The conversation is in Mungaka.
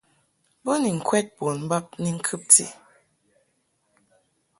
Bo ni ŋkwɛd bon bab ni ŋkɨbti.